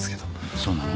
そうなの？